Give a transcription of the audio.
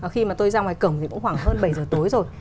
khi mà tôi ra ngoài cổng thì cũng khoảng hơn bảy giờ tối rồi